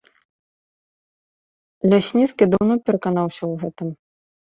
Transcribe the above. Лясніцкі даўно пераканаўся ў гэтым.